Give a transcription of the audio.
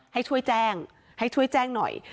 ให้ช่วยแจ้งให้ช่วยแจ้งหน่อย